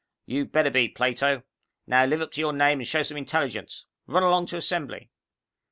"You'd better be, Plato. Now live up to your name and show some intelligence. Run along to Assembly."